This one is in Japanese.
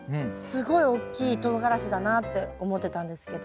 すごい大きいとうがらしだなって思ってたんですけど。